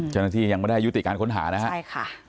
จนที่ยังไม่ได้ยุติการค้นหานะครับ